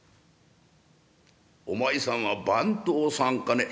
「お前さんは番頭さんかね？」。